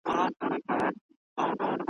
دا هغه توپان راغلی چي په خوب کي مي لیدلی `